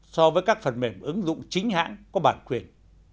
so với các phần mềm ứng dụng chính hãng có bản quyền